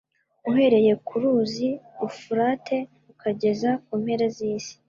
uhereye ku ruzi Ufurate ukageza ku mpera z'isi.